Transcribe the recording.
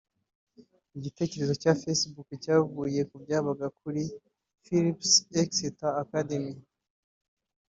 Igitekerezo cya Facebook cyavuye ku byabaga muri Phillips Exeter Academy